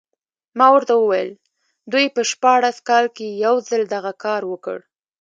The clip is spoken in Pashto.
ما ورته وویل دوی په شپاړس کال کې یو ځل دغه کار وکړ.